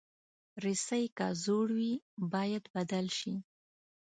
رسۍ که زوړ وي، باید بدل شي.